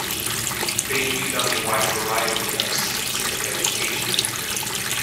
They feed on a wide variety of seeds and vegetation.